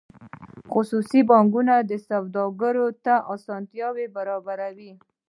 خصوصي بانکونه سوداګرو ته اسانتیاوې برابروي